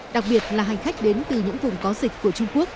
đặc biệt là hành khách đến từ những vùng có dịch của trung quốc